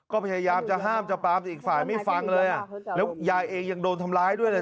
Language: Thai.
ก็พยายามจะห้ามจะปรามแต่อีกฝ่ายไม่ฟังเลยอ่ะแล้วยายเองยังโดนทำร้ายด้วยเลย